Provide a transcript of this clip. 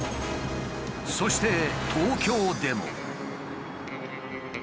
そして東京でも。